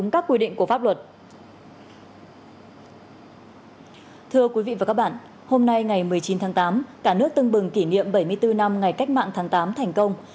cả nước tưng bừng kỷ niệm bảy mươi bốn năm ngày cách mạng tháng tám thành công